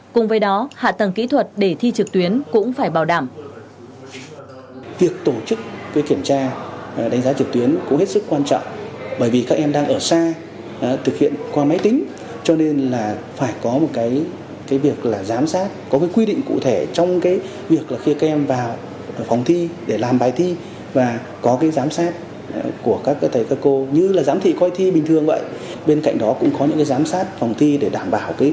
cùng với đó hạ tầng kỹ thuật để thi trực tuyến cũng phải bảo đảm